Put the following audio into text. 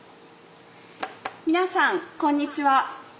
皆さんこんにちは。